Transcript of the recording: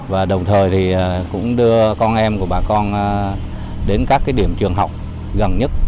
và đồng thời thì cũng đưa con em của bà con đến các điểm trường học gần nhất